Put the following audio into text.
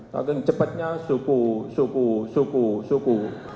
saking cepatnya suku suku suku suku